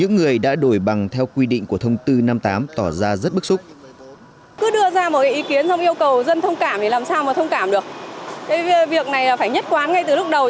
nghĩ là thế là không hợp lý